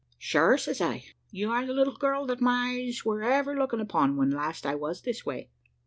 "`Sure,' says I, `you are the little girl that my eyes were ever looking upon when last I was this way.'